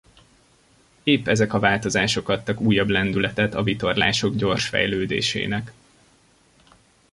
Épp ezek a változások adtak újabb lendületet a vitorlások gyors fejlődésének.